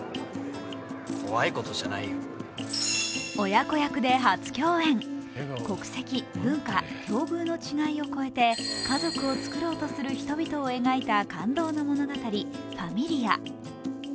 親子役で初共演、国籍、文化、境遇の違いを超えて家族を作ろうとする人々を描いた感動の物語「ファミリア」。